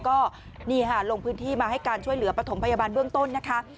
ก็นี่ค่ะลงพื้นที่มาให้การช่วยเหลือปฐมพยาบาลเบื้องต้นนะคะ